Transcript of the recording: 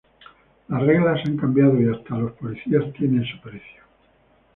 Las reglas han cambiado y hasta los policías tienen su precio.